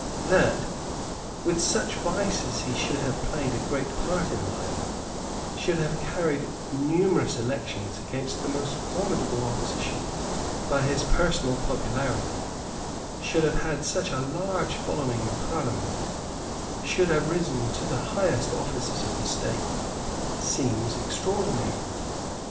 That, with such vices, he should have played a great part in life, should have carried numerous elections against the most formidable opposition by his personal popularity, should have had a large following in Parliament, should have risen to the highest offices of the State, seems extraordinary.